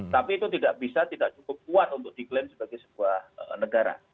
tapi itu tidak bisa tidak cukup kuat untuk diklaim sebagai sebuah negara